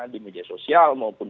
di media sosial maupun